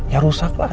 ya rusak lah